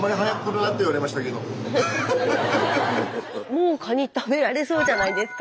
もうカニ食べられそうじゃないですか。